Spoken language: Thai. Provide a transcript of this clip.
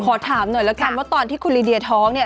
ขอถามหน่อยแล้วกันว่าตอนที่คุณลีเดียท้องเนี่ย